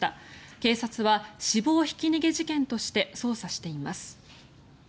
警察は死亡ひき逃げ事件として捜査しています。